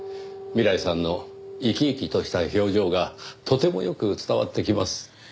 未来さんの生き生きとした表情がとてもよく伝わってきます。